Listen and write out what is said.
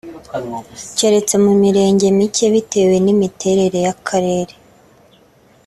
keretse mu Mirenge mike bitewe n’imiterere y’Akarere